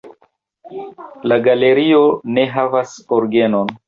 La galerio ne havas orgenon.